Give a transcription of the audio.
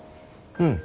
うん。